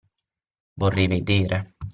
Vorrei vedere!